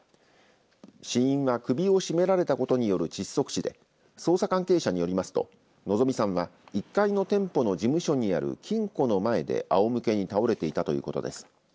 死因は首を絞められたことによる窒息死で捜査関係者によりますと希美さんは１階の店舗の事務所にある金庫の前であおむけに倒れていたということです。